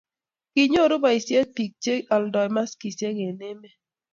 kinyoru boisiet biik che oldoi maskisiek eng' emet